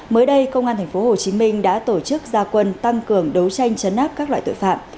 mới đây công an tp hcm đã tổ chức gia quân tăng cường đấu tranh chấn áp các loại tội phạm